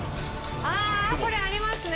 あこれありますね